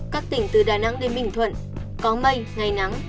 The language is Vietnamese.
các tỉnh từ đà nẵng đến bình thuận có mây ngày nắng